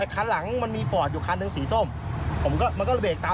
คันหลังมันมีฟอร์สอยู่ทางสีส้มผมก็เดินเบกตาม